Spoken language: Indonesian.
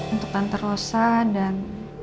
untuk tante rosa dan